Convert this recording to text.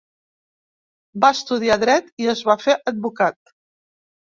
Va estudiar Dret i es va fer advocat.